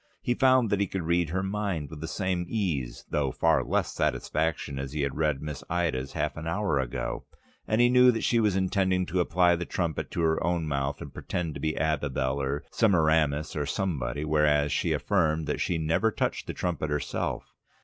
He found that he could read her mind with the same ease, though far less satisfaction, as he had read Miss Ida's half an hour ago, and knew that she was intending to apply the trumpet to her own mouth and pretend to be Abibel or Semiramis or somebody, whereas she affirmed that she never touched the trumpet herself.